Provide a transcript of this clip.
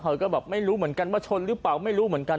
เธอก็แบบไม่รู้เหมือนกันว่าชนหรือเปล่าไม่รู้เหมือนกัน